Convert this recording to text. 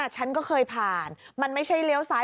ฉันก็เคยผ่านมันไม่ใช่เลี้ยวซ้าย